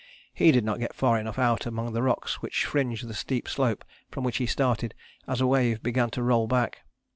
He did not get far enough out among the rocks which fringed the steep slope from which he started as a wave began to roll back.